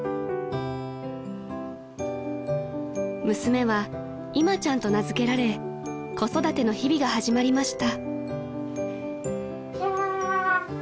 ［娘はいまちゃんと名付けられ子育ての日々が始まりました］